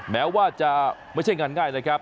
แม้ว่าจะไม่ใช่งานง่ายนะครับ